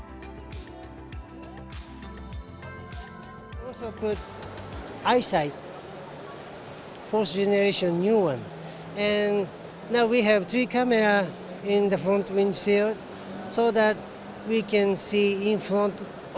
subaru indonesia kembali berpartisipasi dalam perhelatan pameran mobil gaikindo indonesia